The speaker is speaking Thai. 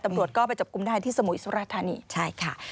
ตำรวจก็ไปจับกลุ่มได้ที่สมุยสุรธานีใช่ค่ะ